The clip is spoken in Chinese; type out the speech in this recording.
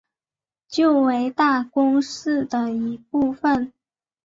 旧为大宫市的一部分。